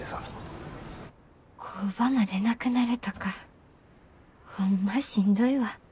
工場までなくなるとかホンマしんどいわ。